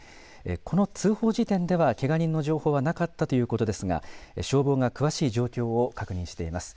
この通報時点ではけが人の情報はなかったということですが消防が詳しい状況を確認しています。